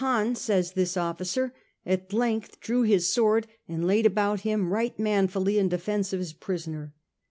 Khan,' says this officer, 4 at length drew his sword and laid about him right manfully ' in defence of his prisoner.